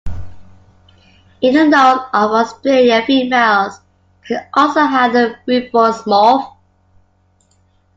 In the north of Australia females can also have a rufous morph.